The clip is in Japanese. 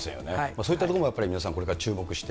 そういったところもやっぱり皆さん、これから注目して。